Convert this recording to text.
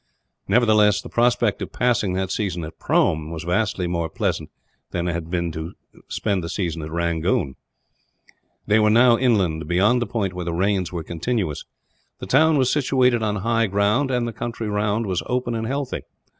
Nevertheless, the prospect of passing that season at Prome was vastly more pleasant than if it had to be spent at Rangoon. They were now inland, beyond the point where the rains were continuous. The town was situated on high ground, and the country round was open and healthy.